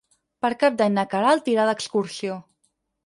Per Cap d'Any na Queralt irà d'excursió.